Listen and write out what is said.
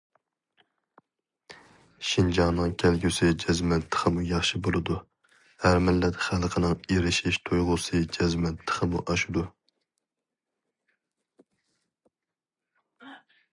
شىنجاڭنىڭ كەلگۈسى جەزمەن تېخىمۇ ياخشى بولىدۇ، ھەر مىللەت خەلقنىڭ ئېرىشىش تۇيغۇسى جەزمەن تېخىمۇ ئاشىدۇ.